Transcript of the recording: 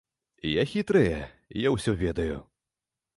Я хітрая, я ўсё ведаю.